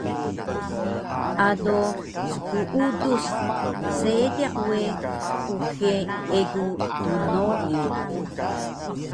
Ado skuudus seediq we uxe egu dnoi